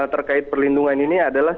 terkait perlindungan ini adalah